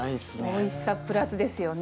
おいしさプラスですよね。